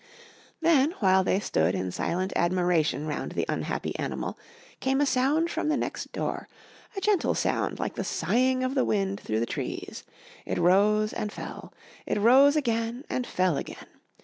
Then, while they stood in silent admiration round the unhappy animal, came a sound from the next door, a gentle sound like the sighing of the wind through the trees. It rose and fell. It rose again and fell again.